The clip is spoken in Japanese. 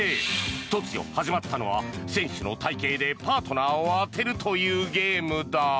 突如始まったのは選手の体形でパートナーを当てるというゲームだ。